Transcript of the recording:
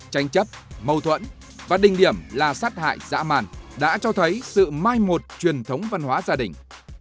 tranh chấp mâu thuẫn và đình điểm là sát hại dã màn đã cho thấy sự mai một truyền thống văn hóa gia đình